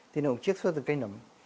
thì nó cũng chiếc sơ từ cây nấm